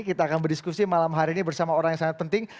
kita akan berdiskusi malam hari ini bersama orang yang sangat penting